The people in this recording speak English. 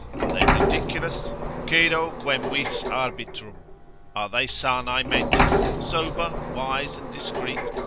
are they ridiculous? cedo quemvis arbitrum, are they sanae mentis, sober, wise, and discreet?